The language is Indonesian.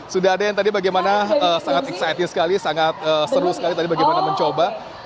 sudah ada yang tadi bagaimana sangat excited sekali sangat seru sekali tadi bagaimana mencoba